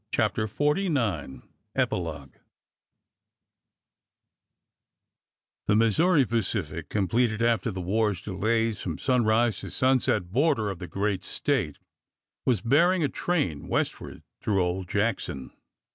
CHAPTER XLIX EPILOGUE HE Missouri Pacific, completed after all the war's JL delays from sunrise to sunset border of the great State, was bearing a train westward through old Jackson.